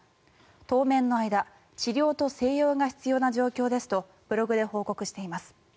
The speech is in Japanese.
当面の間治療と静養が必要な状況ですとブログで報告しています。